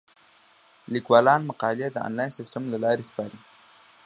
لیکوالان مقالې د انلاین سیستم له لارې سپاري.